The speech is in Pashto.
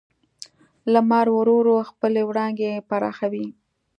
لمر ورو ورو خپلې وړانګې پراخولې.